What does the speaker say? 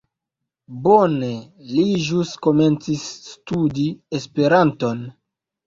Bone, li ĵus komencis studi Esperanton